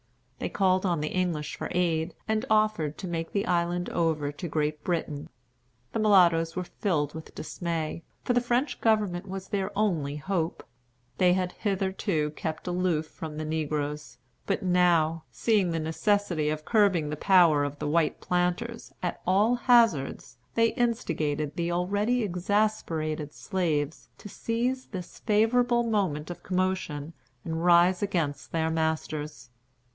They called on the English for aid, and offered to make the island over to Great Britain. The mulattoes were filled with dismay, for the French government was their only hope. They had hitherto kept aloof from the negroes; but now, seeing the necessity of curbing the power of the white planters, at all hazards, they instigated the already exasperated slaves to seize this favorable moment of commotion and rise against their masters.